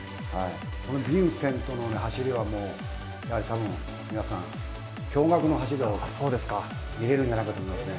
ヴィンセントの走りは、たぶん皆さん、驚がくの走りを見れるんじゃないかと思いますね。